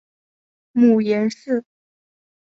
母颜氏。